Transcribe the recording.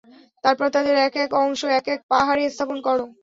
তারপর তাদের এক এক অংশ এক এক পাহাড়ে স্থাপন কর।